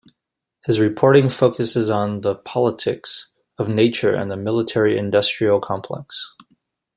His reporting focuses on the politics of nature and the military-industrial complex.